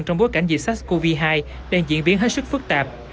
trong bối cảnh dịch sắc covid hai đang diễn biến hết sức phức tạp